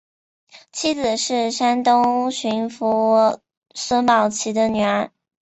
妻子是山东巡抚孙宝琦的女儿。